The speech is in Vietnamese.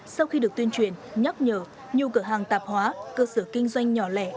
sau khi được tuyên truyền nhắc nhở nhiều cửa hàng tạp hóa cơ sở kinh doanh nhỏ lẻ